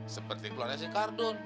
seperti keluarga si kardun